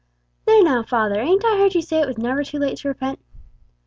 "There now, father, ain't I heard you say it was never too late to repent?"